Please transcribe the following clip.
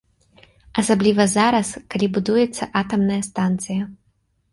Асабліва зараз, калі будуецца атамная станцыя.